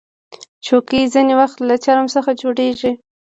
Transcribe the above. چوکۍ ځینې وخت له چرم څخه جوړیږي.